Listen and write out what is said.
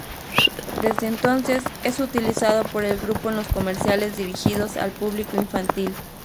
Desde entonces es utilizado por el grupo en los comerciales dirigidos al público infantil.